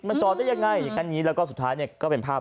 มันจอดได้ยังไงอย่างนั้นอย่างนี้แล้วก็สุดท้ายเนี่ยก็เป็นภาพ